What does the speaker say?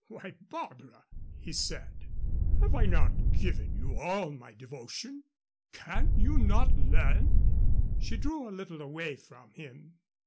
"Why, Barbara," he said, "have I not given you all my devotion? Can you not learn " She drew a little away from him.